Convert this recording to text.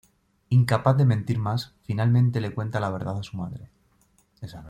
Incapaz de mentir más, finalmente le cuenta la verdad a su madre.